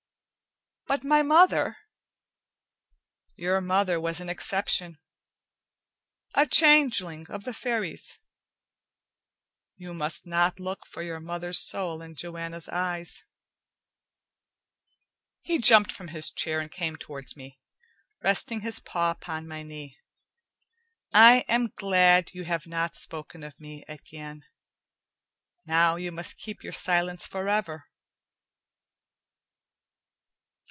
"But my mother " "Your mother was an exception, a changeling of the Fairies. You must not look for your mother's soul in Joanna's eyes." He jumped from his chair, and came towards me, resting his paw upon my knee. "I am glad you have not spoken of me, Etienne. Now you must keep your silence forever."